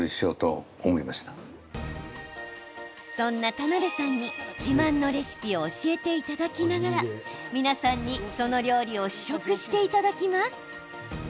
田辺さんに自慢のレシピを教えていただきながら皆さんに、その料理を試食していただきます。